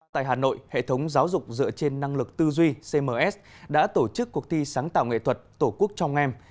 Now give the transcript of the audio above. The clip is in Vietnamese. tại hà nội hệ thống giáo dục dựa trên năng lực tư duy cms đã tổ chức cuộc thi sáng tạo nghệ thuật tổ quốc trong em